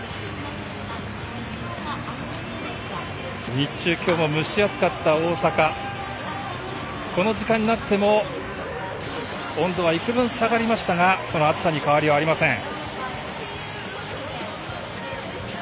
日中、今日も蒸し暑かった大阪、この時間になっても温度は幾分下がりましたがその暑さに変わりはありません。